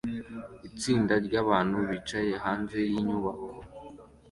Itsinda ryabantu bicaye hanze yinyubako